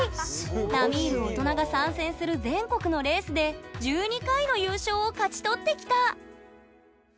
並みいる大人が参戦する全国のレースで１２回の優勝を勝ち取ってきた！